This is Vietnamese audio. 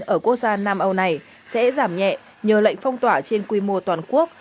ở quốc gia nam âu này sẽ giảm nhẹ nhờ lệnh phong tỏa trên quy mô toàn quốc